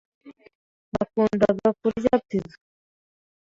Nakundaga kurya pizza.